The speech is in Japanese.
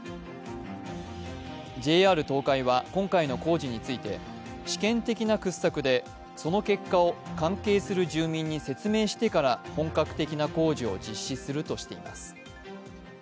ＪＲ東海は今回の工事について試験的な掘削でその結果を関係する住民に説明してから本格的な工事を実施するとしています。